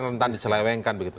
nanti diselewengkan begitu